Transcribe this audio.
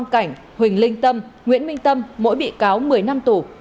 cảnh huỳnh linh tâm nguyễn minh tâm mỗi bị cáo một mươi năm tù